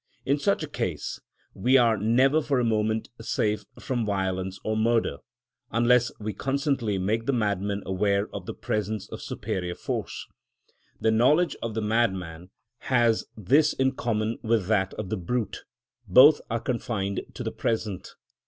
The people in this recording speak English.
In such a case, we are never for a moment safe from violence or murder, unless we constantly make the madman aware of the presence of superior force. The knowledge of the madman has this in common with that of the brute, both are confined to the present.